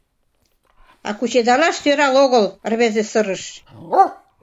— А кучедалаш сӧрал огыл! — рвезе сырыш.